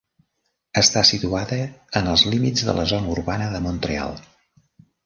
Està situada en els límits de la zona urbana de Mont-real.